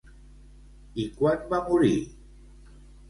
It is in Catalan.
I quan va morir?